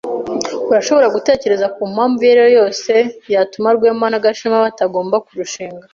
Urashobora gutekereza ku mpamvu iyo ari yo yose yatuma Rwema na Gashema batagomba kurushinga?